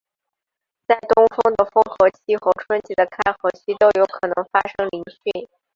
在冬季的封河期和春季的开河期都有可能发生凌汛。